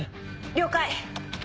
了解！